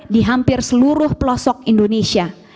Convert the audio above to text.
di hampir seluruh pelosok indonesia